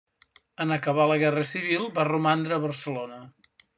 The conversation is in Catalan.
En acabar la guerra civil va romandre a Barcelona.